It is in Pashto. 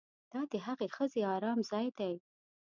دا د هغې ښځې ارام ځای دی